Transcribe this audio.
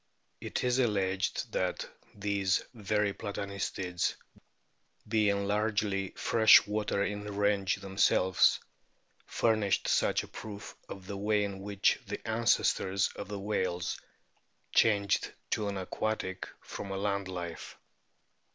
It is alleged that these very Platanistids, being largely fresh water in range themselves, furnish such a proof of the way in which the ancestors of the whales changed to an aquatic from a land life.